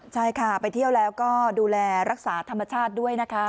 ใช่ค่ะไปเที่ยวแล้วก็ดูแลรักษาธรรมชาติด้วยนะคะ